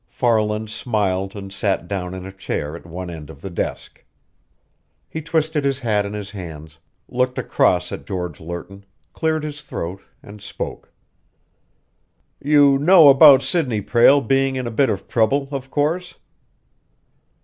Farland smiled and sat down in a chair at one end of the desk. He twisted his hat in his hands, looked across at George Lerton, cleared his throat, and spoke. "You know about Sidney Prale being in a bit of trouble, of course?"